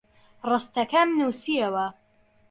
ڕستەکەم نووسییەوە.